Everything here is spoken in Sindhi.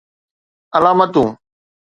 علامتون